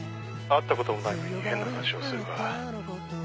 「会った事もないのに変な話をするが」